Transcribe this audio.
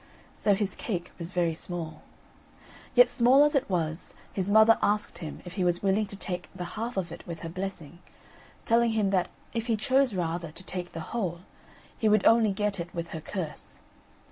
So his cake was very small; yet small as it was, his mother asked him if he was willing to take the half of it with her blessing, telling him that, if he chose rather to take the whole, he would only get it with her curse.